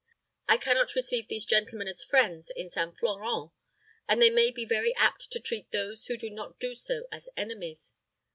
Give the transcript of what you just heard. I can not receive these gentlemen as friends in St. Florent, and they may be very apt to treat those who do not do so as enemies.